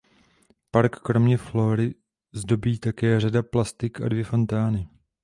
Park kromě flory zdobí také řada plastik a dvě fontány.